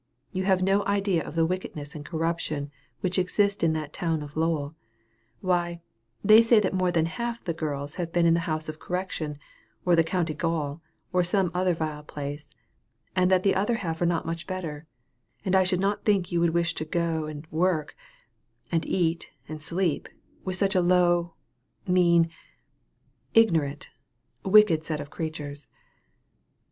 You have no idea of the wickedness and corruption which exist in that town of Lowell. Why, they say that more than half of the girls have been in the house of correction, or the county gaol, or some other vile place; and that the other half are not much better; and I should not think you would wish to go and work, and eat, and sleep, with such a low, mean, ignorant, wicked set of creatures."